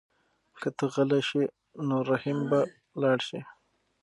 که ته غلی شې نو رحیم به لاړ شي.